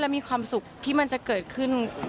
และมีความสุขที่มันจะเกิดขึ้น